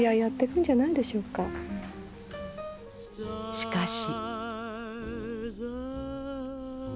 しかし。